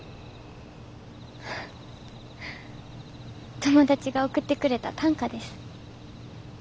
友達が送ってくれた短歌です。